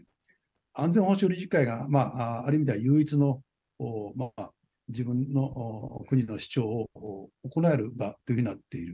安全保障理事会がある意味では唯一の自分の国の主張を行える場というふうになっている。